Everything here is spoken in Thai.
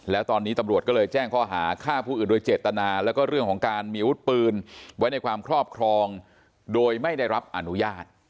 แล้วตอนนี้ตำรวจก็เลยแจ้งข้อหาฆ่าผู้อื่นโดยเจตนาแล้วก็เรื่องของการมีอาวุธปืนไว้ในความครอบครองโดยไม่ได้รับอนุญาต